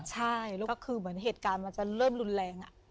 ใช่แล้วก็คือเหมือนเหตุการณ์มันจะเริ่มรุนแรง